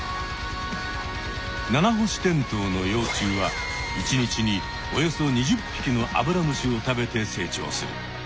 ナナホシテントウの幼虫は１日におよそ２０ぴきのアブラムシを食べて成長する。